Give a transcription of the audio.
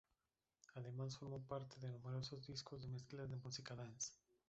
Además formó parte de numerosos discos de mezclas de música dance.